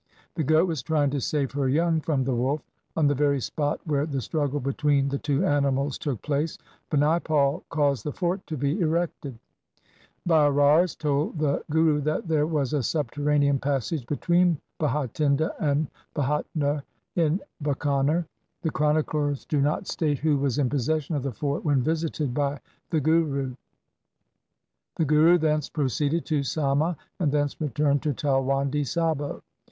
The goat was trying to save her young from the wolf. On the very spot where the struggle between the two animals took place Binaipal caused the fort to be erected. The Bairars told the Guru that there was a subterranean passage between Bhatinda and Bhatner in Bikaner. The chroniclers do not state 222 THE SIKH RELIGION who was in possession of the fort when visited by the Guru. 1 The Guru thence proceeded to Samma and thence returned to Talwandi Sabo.